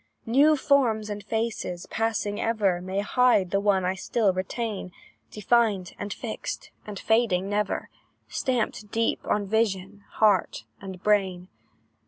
"New forms and faces, passing ever, May hide the one I still retain, Defined, and fixed, and fading never, Stamped deep on vision, heart, and brain.